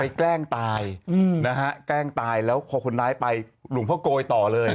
แกล้งตายนะฮะแกล้งตายแล้วพอคนร้ายไปหลวงพ่อโกยต่อเลย